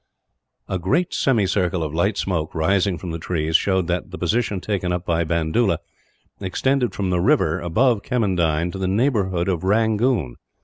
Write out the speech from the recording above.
A great semicircle of light smoke, rising from the trees, showed that the position taken up by Bandoola extended from the river above Kemmendine to the neighbourhood of Rangoon.